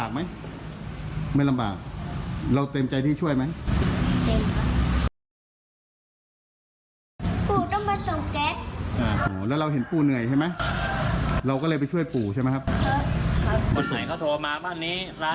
คนไหนเขาโทรมาว่าร้านนี้เขาสั่งเขาก็ไปส่งเองได้